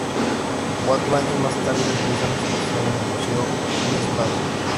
Cuatro años más tarde realiza una exposición en el Museo Wiesbaden.